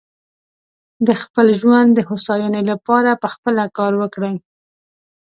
د خپل ژوندانه د هوساینې لپاره پخپله کار وکړي.